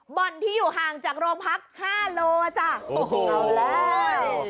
บ่อนที่อยู่ห่างจากโรงพักห้าโลอ่ะจ้ะโอ้โหเอาแล้ว